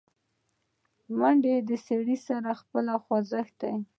منډه د سړي خپله خوځښت ده